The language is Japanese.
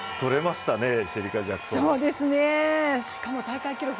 しかも大会記録